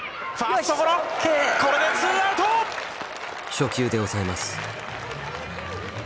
初球で抑えます。